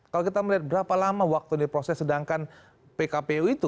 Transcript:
kalau kita melihat berapa lama waktu diproses sedangkan pkpu itu